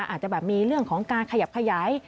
อาจจะแบบมีเรื่องของการขยับขยาย